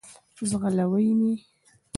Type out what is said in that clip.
ځغلوی مي .